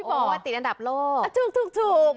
ซุปที่อร่อยที่สุดในโลกพี่ป่อติดอันดับโลกถูกถูกถูก